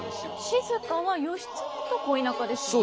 静は義経と恋仲ですよね。